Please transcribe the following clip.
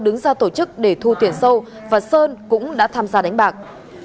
đứng ra tổ chức để thu tiền sâu và sơn cũng đã tham gia đánh bạc